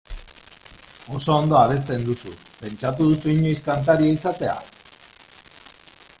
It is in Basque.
Oso ondo abesten duzu, pentsatu duzu inoiz kantaria izatea?